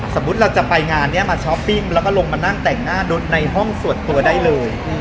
สมมุติเราจะไปงานนี้มาช้อปปิ้งแล้วก็ลงมานั่งแต่งหน้ารถในห้องส่วนตัวได้เลย